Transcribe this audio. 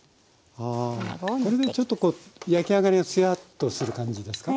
ああこれでちょっと焼き上がりがつやっとする感じですか？